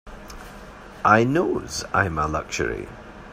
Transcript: I knows I'm a luxury.